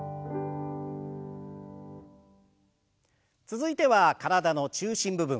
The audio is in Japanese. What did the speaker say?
続いては体の中心部分。